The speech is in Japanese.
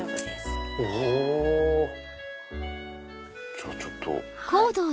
じゃあちょっと。